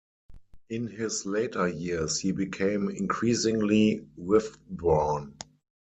In his later years he became increasingly withdrawn.